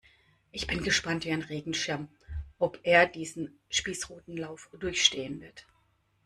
Ich bin gespannt wie ein Regenschirm, ob er diesen Spießrutenlauf durchstehen wird.